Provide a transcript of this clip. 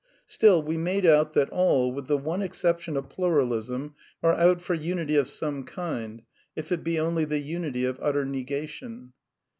Still, we made out that all, with the one exception of Pluralism, are out for unity of some kind, if it be only the unity of utter negation.